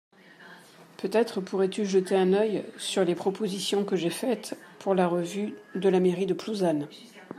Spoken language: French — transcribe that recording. peut-être pourrais-tu jeter un œil sur les propositions que j'ai faite pour la revue de la mairie de Plouzane.